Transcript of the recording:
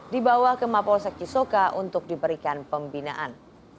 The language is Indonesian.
dibawa ke mapolsek cisoka untuk diberikan pembinaan